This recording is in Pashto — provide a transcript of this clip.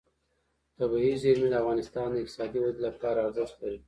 طبیعي زیرمې د افغانستان د اقتصادي ودې لپاره ارزښت لري.